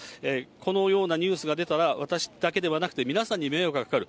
このようなニュースが出たら、私だけではなくて皆さんに迷惑がかかる。